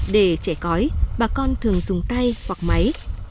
để chẻ cõi bà con thường dùng tay hoặc máy